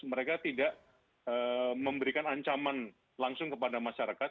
mereka tidak memberikan ancaman langsung kepada masyarakat